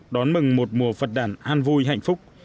đón mừng một mùa phật đản an vui hạnh phúc